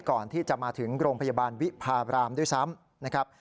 ก่อนที่จะมาถึงโรงพยาบาลวิพาบรามด้วยซ้ำนะครับ